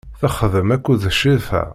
Txeddem akked Crifa.